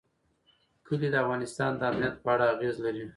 کلي د افغانستان د امنیت په اړه اغېز لري.